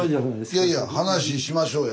いやいや話しましょうよ